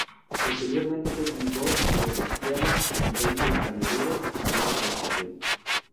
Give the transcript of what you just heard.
Posteriormente fue pintor de persianas, ayudante de camionero y mozo de estación.